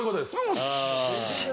よし。